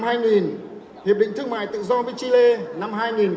hiệp định thương mại tự do với chile năm hai nghìn một mươi bảy